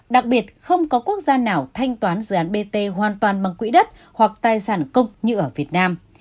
đặc biệt không có quốc gia nào thanh toán dự án bt hoàn toàn bằng quỹ đất hoặc tài sản công như ở việt nam